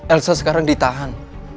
elsa sekarang ditahan